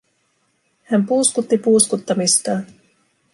Hän puuskutti puuskuttamistaan.